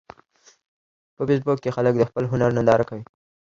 په فېسبوک کې خلک د خپل هنر ننداره کوي